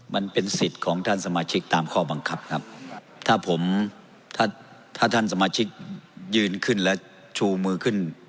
มันเป็นสิทธิ์ของท่านสมาชิกตามข้อบังคับครับถ้าผมถ้าถ้าท่านสมาชิกยืนขึ้นและชูมือขึ้น